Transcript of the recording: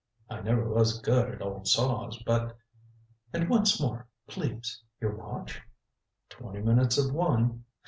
I never was good at old saws, but " "And once more, please your watch?" "Twenty minutes of one."